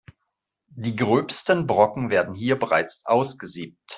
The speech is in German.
Die gröbsten Brocken werden hier bereits ausgesiebt.